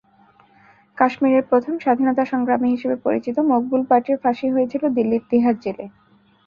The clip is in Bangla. কাশ্মীরের প্রথম স্বাধীনতাসংগ্রামী হিসেবে পরিচিত মকবুল বাটের ফাঁসি হয়েছিল দিল্লির তিহার জেলে।